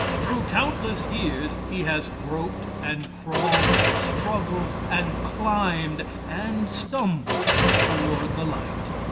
Through countless years he has groped and crawled and struggled and climbed and stumbled toward the light.